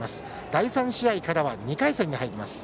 第３試合からは２回戦に入ります。